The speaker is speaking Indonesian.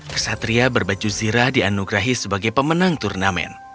kesatria berbaju zirah dianugerahi sebagai pemenang turnamen